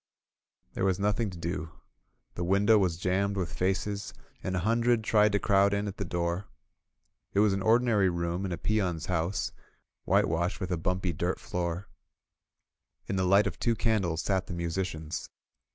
There was nothing to do. The window was jammed with faces, and a hundred tried to crowd in at the door. It was an ordinary room in a peon^s house, whitewashed, with a hiunpy dirt floor. In the light of two candles sat the musicians.